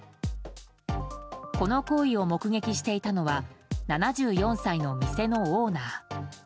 この行為を目撃していたのは７４歳の店のオーナー。